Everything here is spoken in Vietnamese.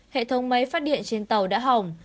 hệ thống máy phát điện trên tàu đã hỏng